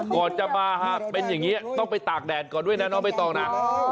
ก่อนจะมาถ้าเป็นอย่างนี้ต้องไปตากแดดก่อนด้วยเนี่ยไม่ต้องนะ